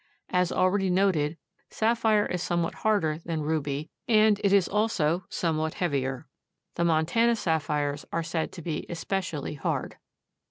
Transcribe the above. As already noted, sapphire is somewhat harder than ruby, and it is also somewhat heavier. The Montana sapphires are said to be especially hard.